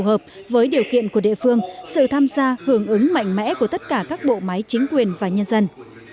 hợp với điều kiện của địa phương sự tham gia hưởng ứng mạnh mẽ của tất cả các bộ máy chính quyền và nhân dân